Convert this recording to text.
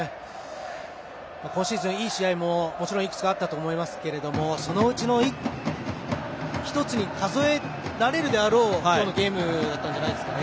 今シーズン、いい試合もいくつかあったと思いますがそのうちの一つに数えられるであろうこのゲームだったんじゃないですか。